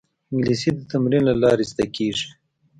انګلیسي د تمرین له لارې زده کېږي